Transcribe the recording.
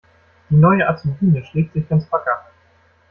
Die neue Azubine schlägt sich ganz wacker.